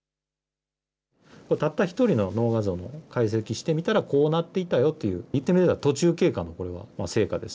たった１人の脳画像の解析してみたら、こうなっていたよという、言ってみれば途中経過の、これは成果です。